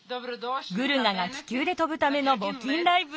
グルガが気球で飛ぶためのぼきんライブへ。